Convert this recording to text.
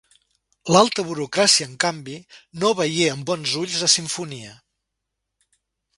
L'alta burocràcia, en canvi, no veié en bons ulls la simfonia.